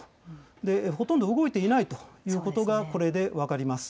で、ほとんど動いていないということがこれで分かります。